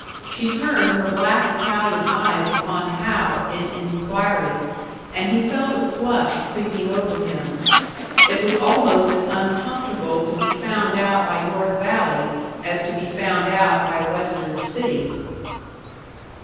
She turned her black Italian eyes upon Hal in inquiry, and he felt a flush creeping over him. It was almost as uncomfortable to be found out by North Valley as to be found out by Western City!